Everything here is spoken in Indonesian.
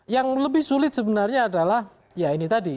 yang lebih sulit sebenarnya adalah ya ini tadi